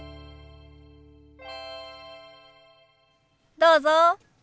どうぞ。